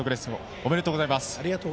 ありがとうございます。